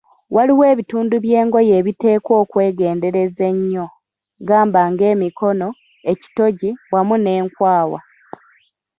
Waliwo ebitundu by'engoye ebiteekwa okwegendereza ennyo, gamba ng'emikono, ekitogi wamu n'enkwawa.